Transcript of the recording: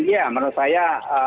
ya menurut saya